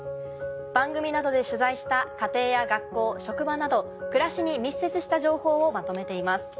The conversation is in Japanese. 番組などで取材した家庭や学校職場など暮らしに密接した情報をまとめています。